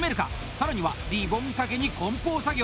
更には、リボン掛けに梱包作業。